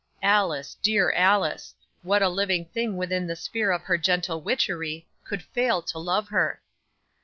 Alice, dear Alice; what living thing within the sphere of her gentle witchery, could fail to love her!